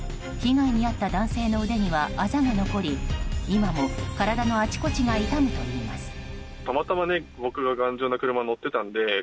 被害に遭った男性の腕にはあざが残り今も体のあちこちが痛むといいます。